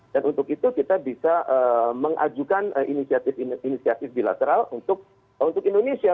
dan untuk itu kita bisa mengajukan inisiatif inisiatif bilateral untuk indonesia